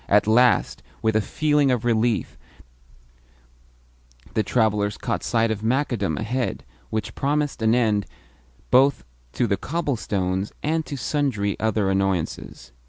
At last, with a feeling of relief, the travellers caught sight of macadam ahead, which promised an end both to the cobblestones and to sundry other annoyances.